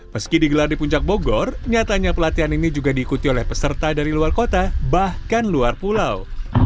meski digelar di puncak bogor nyatanya pelatihan ini juga diikuti oleh peserta dari luar kota bahkan luar pulau